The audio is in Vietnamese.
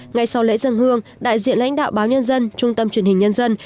ngay sau lễ dân hương đại diện lãnh đạo báo nhân dân trung tâm truyền hình nhân dân